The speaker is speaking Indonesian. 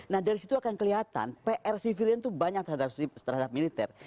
nah dari situ akan kelihatan pr sivilion itu banyak terhadap militer